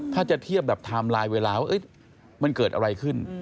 ถ้าจะเทียบแบบไทม์ไลน์เวลาว่ามันเกิดอะไรขึ้น